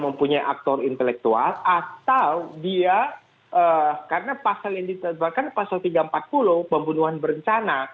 mempunyai aktor intelektual atau dia karena pasal yang ditetapkan pasal tiga ratus empat puluh pembunuhan berencana